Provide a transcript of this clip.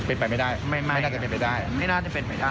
เป็นไปไม่ได้ไม่ได้ไม่ได้ไม่ได้ไม่น่าจะเป็นไปได้